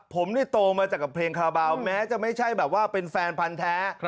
ผมโตมาจากกับเพลงคาบาวแม้จะไม่ใช่แบบว่าเป็นแฟนพันธ์แท้